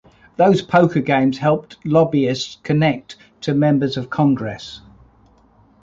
Those poker games helped lobbyists connect to members of Congress.